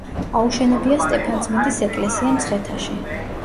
აუშენებია სტეფანწმინდის ეკლესია მცხეთაში.